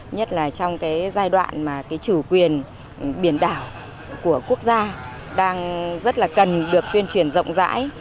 nhất là trong cái giai đoạn mà chủ quyền biển đảo của quốc gia đang rất là cần được tuyên truyền rộng rãi